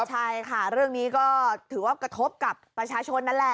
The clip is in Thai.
ใช่ค่ะเรื่องนี้ก็ถือว่ากระทบกับประชาชนนั่นแหละ